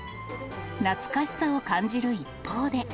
懐かしさを感じる一方で。